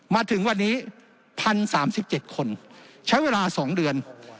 มาถึงวันนี้๑๐๓๗คนใช้เวลา๒เดือน